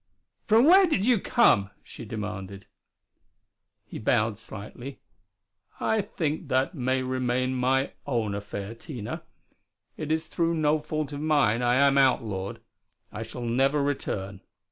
"From when did you come?" she demanded. He bowed slightly. "I think that may remain my own affair, Tina. It is through no fault of mine I am outlawed. I shall never return."